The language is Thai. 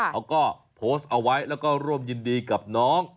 เขาก็โพสต์เอาไว้แล้วก็ร่วมยินดีกับน้อง